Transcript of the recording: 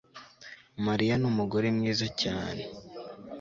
Mariya numugore mwiza cyane